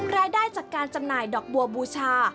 รายได้จากการจำหน่ายดอกบัวบูชา